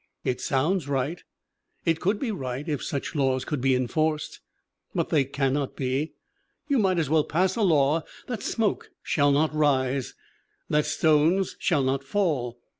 It sounds right. It would be right if such laws could be enforced. But they cannot be. You might as well pass a law that smoke shall not rise, that stones shall not fall.